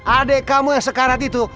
adik kamu yang sekarat itu